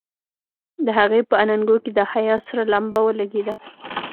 د هغې په اننګو کې د حيا سره لمبه ولګېده.